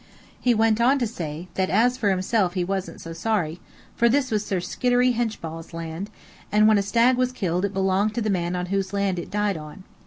He went on to say, that as for himself he wasn't so sorry, for this was Sir Skiddery Henchball's land, and when a stag was killed it belonged to the man whose land it died on.